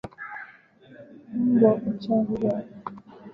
Mbwa kuchanjwa